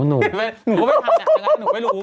หนูก็ไม่รู้